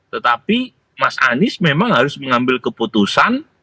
tetapi mas anies memang harus mengambil keputusan